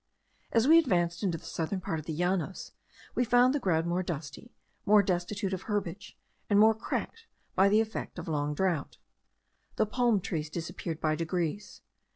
As we advanced into the southern part of the Llanos, we found the ground more dusty, more destitute of herbage, and more cracked by the effect of long drought. The palm trees disappeared by degrees.